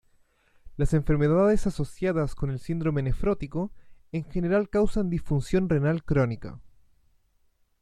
Las enfermedades asociadas con el síndrome nefrótico en general causan disfunción renal crónica.